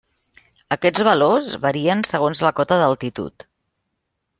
Aquests valors varien segons la cota d'altitud.